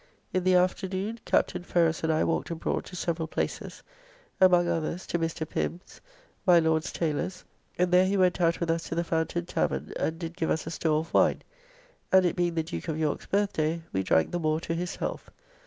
In the afternoon Captain Ferrers and I walked abroad to several places, among others to Mr. Pim's, my Lord's Taylour's, and there he went out with us to the Fountain tavern and did give us store of wine, and it being the Duke of York's birthday, we drank the more to his health.